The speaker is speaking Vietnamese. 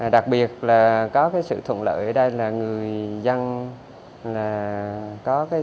đặc biệt là có cái sự thuận lợi ở đây là người dân là có cái